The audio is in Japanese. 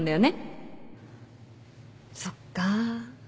そっか。